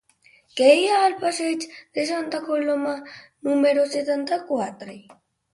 Què hi ha al passeig de Santa Coloma número setanta-quatre?